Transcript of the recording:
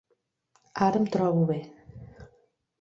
Ara em trobo bé.